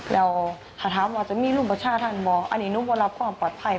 เราถามว่าจะมีหลวงบังชาติของท่านว่าอันนี้นุษย์ว่ารับข้อมันปลอดภัย